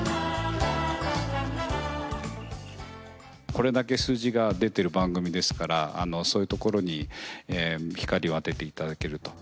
これだけ数字が出てる番組ですからそういうところに光を当てて頂けると。